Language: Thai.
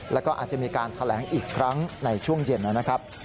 แล้วก็อาจจะมีการแถลงอีกครั้งในช่วงเย็นนะครับ